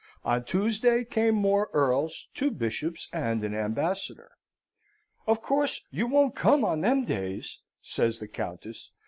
On Tuesday came more earls, two bishops, and an ambassador. 'Of course you won't come on them days?' says the Countess.